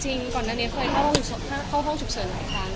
จริงก่อนนั้นเนี่ยเคยเข้าห้องฉุกเสริมหลายครั้ง